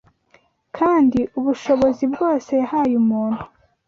kandi ubushobozi bwose yahaye umuntu